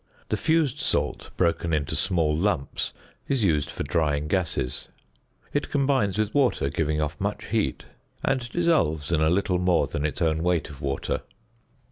The fused salt, broken into small lumps, is used for drying gases. It combines with water, giving off much heat; and dissolves in a little more than its own weight of water.